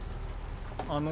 あの。